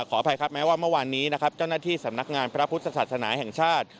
ขออภัยว่ามัววานนี้เจ้าหน้าที่สำนักงานพระพุทธศาสนานแห่งชาติ